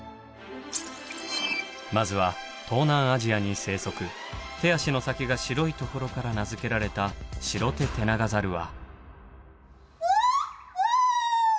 まずは東南アジアに生息手足の先が白いところから名付けられたシロテテナガザルは。